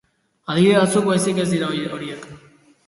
Adibide batzuk baizik ez dira horiek.